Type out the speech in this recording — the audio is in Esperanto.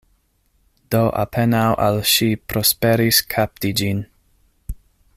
Do apenaŭ al ŝi prosperis kapti ĝin.